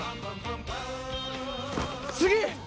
次！